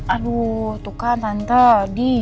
aduh tuh kan tante di